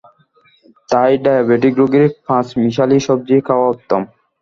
তাই ডায়াবেটিক রোগীর পাঁচমিশালী সবজি খাওয়া উত্তম।